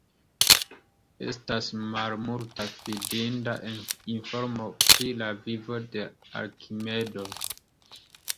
Estas malmulta fidinda informo pri la vivo de Arkimedo.